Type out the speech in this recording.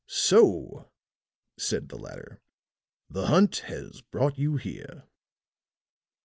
"So," said the latter, "the hunt has brought you here."